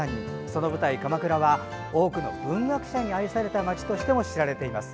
その舞台、鎌倉は多くの文学者に愛された街として知られています。